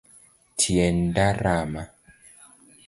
Tienda rama